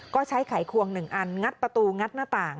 ก็ใช้ไขควง๑อันงัดประตูงัดหน้าต่าง